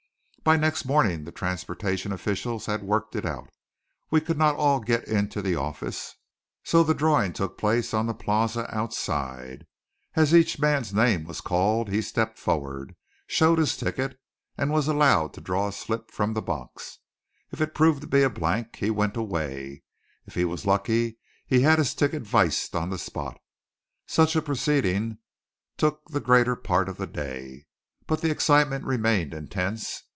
By next morning the transportation officials had worked it out. We could not all get into the office, so the drawing took place on the Plaza outside. As each man's name was called, he stepped forward, showed his ticket, and was allowed to draw a slip from the box. If it proved to be a blank, he went away; if he was lucky, he had his ticket viséd on the spot. Such a proceeding took the greater part of the day; but the excitement remained intense.